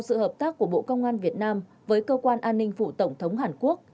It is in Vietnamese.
sự hợp tác của bộ công an việt nam với cơ quan an ninh phụ tổng thống hàn quốc